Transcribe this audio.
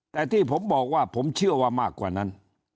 แต่ที่ผมบอกว่าผมเชื่อว่ามากกว่านั้น